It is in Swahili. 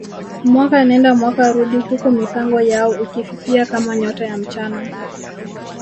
Mwaka nenda mwaka rudi huku mipango yao ikififia kama nyota ya mchana